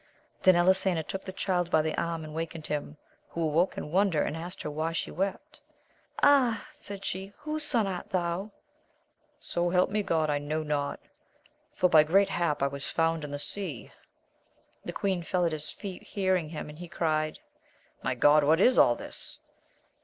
Then Elisena took the Child by the arm, and wakened him, who awoke in wonder, and asked her why she wept. Ah I said she, whose son art thou ?— So help me God I know not, for by great hap I was found in the sea ! The queen feU at his feet, hearing him, and he cried. My God ! what is all this